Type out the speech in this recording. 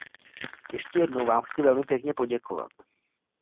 Ještě jednou vám chci velmi pěkně poděkovat.